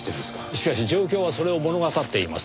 しかし状況はそれを物語っています。